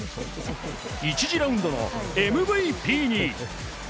１次ラウンドのＭＶＰに。